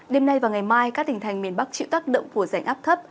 đêm nay và ngày mai các tỉnh thành miền bắc chịu tác động của rảnh áp thấp